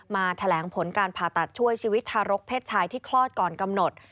แถลงผลการผ่าตัดช่วยชีวิตทารกเพศชายที่คลอดก่อนกำหนด